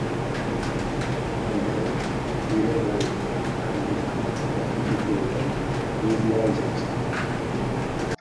Gainera, idazlan eta argitalpen garrantzitsuen egilea izan zen.